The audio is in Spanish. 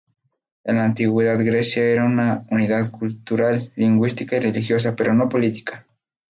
En la antigüedad Grecia era una unidad cultural, lingüística y religiosa, pero no política.